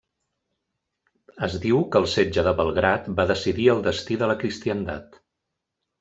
Es diu que el setge de Belgrad va decidir el destí de la Cristiandat.